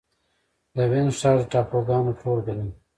د وينز ښار د ټاپوګانو ټولګه ده.